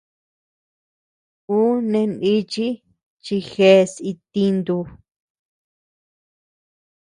Ú neʼe nichi chi jeas itintu.